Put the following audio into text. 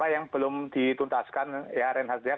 yang belum dituntaskan renat